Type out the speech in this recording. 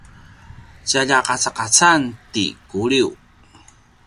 tjalja qacaqacan ti Kuliu